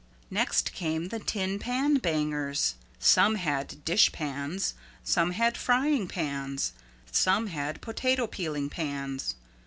Next came the Tin Pan Bangers. Some had dishpans, some had frying pans, some had potato peeling pans.